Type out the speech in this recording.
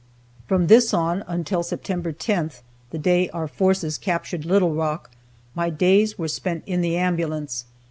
From this on, until September 10th, the day our forces captured Little Rock, my days were spent in the ambulance.